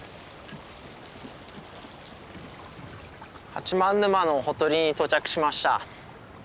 八幡沼のほとりに到着しました。